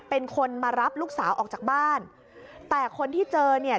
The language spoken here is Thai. เป็นคนมารับลูกสาวออกจากบ้านแต่คนที่เจอเนี่ย